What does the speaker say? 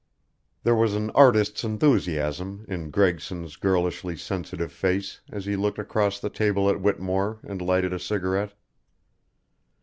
There was an artist's enthusiasm in Gregson's girlishly sensitive face as he looked across the table at Whittemore and lighted a cigarette.